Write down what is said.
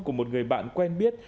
của một người bạn quen biết